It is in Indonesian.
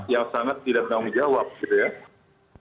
yang sangat tidak tanggung jawab gitu ya